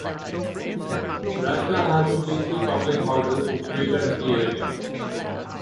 Brackla has only three Public Houses situated in the area.